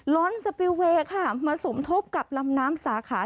ร้อนสปิลเวย์ค่ะมาสมทบกับลำน้ำสาขา